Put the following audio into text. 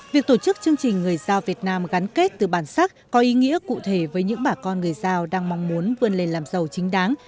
việc tổ chức chương trình người giao việt nam gắn kết từ bản sắc có ý nghĩa cụ thể với những bà con người giao đang mong muốn vươn lên làm giàu chính đáng